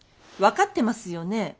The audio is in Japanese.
分かってますよね